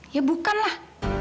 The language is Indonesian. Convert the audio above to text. ya bukan lah